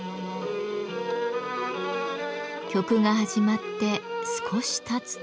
曲が始まって少したつと？